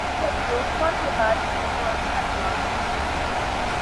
جب دوستوں سے بات کی تو اچھا جواب ملا